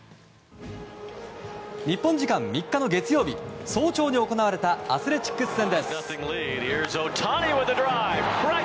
日本時間３日の月曜日早朝に行われたアスレチックス戦。